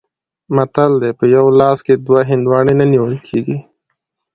متل دی: په یوه لاس کې دوه هندواڼې نه نیول کېږي.